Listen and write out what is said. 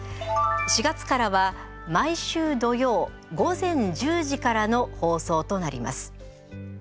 ４月からは毎週土曜午前１０時からの放送となります。